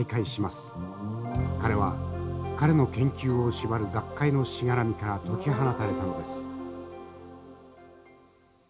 彼は彼の研究を縛る学会のしがらみから解き放たれたのです。